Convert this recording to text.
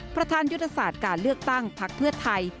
ประธานยุทธศาสตร์การเลือกตั้งพักเพื่อไทย